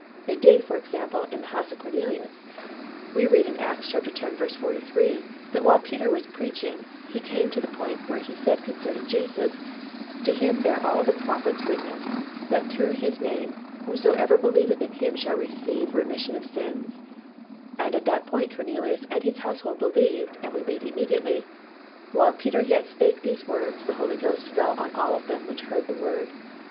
It did, for example, in the household of Cornelius. We read in Acts x. 43, that while Peter was preaching, he came to the point where he said concerning Jesus, "To Him bear all the prophets witness, that through His name whosoever believeth in Him shall receive remission of sins," and at that point Cornelius and his household believed and we read immediately, "While Peter yet spake these words, the Holy Ghost fell on all them which heard the word.